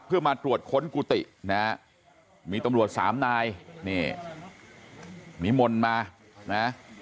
เพื่อมาตรวจค้นกุฏินะฮะมีตำรวจสามนายนี่นิมนต์มานะ